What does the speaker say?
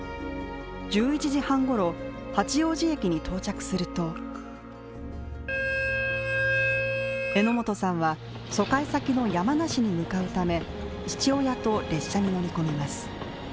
１１時半ごろ、八王子駅に到着すると榎本さんは疎開先の山梨に向かうため父親と列車に乗り込みます。